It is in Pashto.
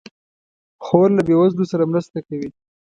خور له بېوزلو سره مرسته کوي.